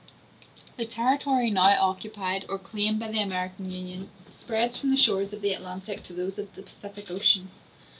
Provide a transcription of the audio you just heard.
The territory now occupied or claimed by the American Union spreads from the shores of the Atlantic to those of the Pacific Ocean.